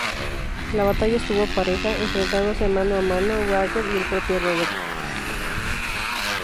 La batalla estuvo pareja, enfrentándose mano a mano Rhaegar y el propio Robert.